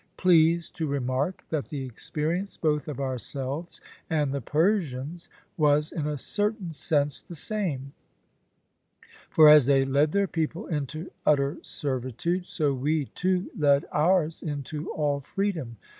Please to remark that the experience both of ourselves and the Persians was, in a certain sense, the same; for as they led their people into utter servitude, so we too led ours into all freedom.